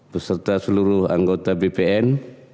beserta seluruh anggota bpn